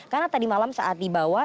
karena tadi malam saat dibawa